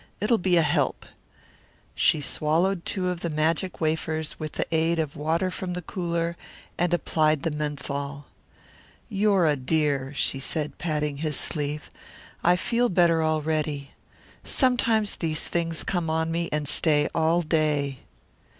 It'll be a help." She swallowed two of the magic wafers with the aid of water from the cooler, and applied the menthol. "You're a dear," she said, patting his sleeve. "I feel better already. Sometimes these things come on me and stay all day."